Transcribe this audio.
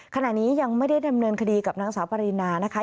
ขณะนี้ยังไม่ได้ดำเนินคดีกับนางสาวปรินานะคะ